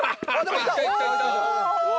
お！